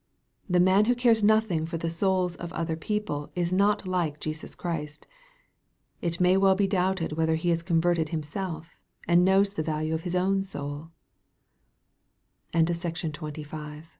The man who cares nothing for the souls of other people is not like Jesus Christ. It may well be doubted whether he is converted himself, and knows the value of his own so